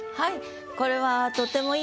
はい。